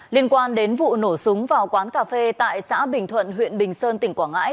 liên quan đến vụ nổ súng vào quán cà phê tại xã bình thuận huyện bình sơn tỉnh quảng ngãi